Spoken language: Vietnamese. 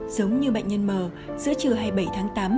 giống như bệnh nhân mờ giữa trưa hai mươi bảy tháng tám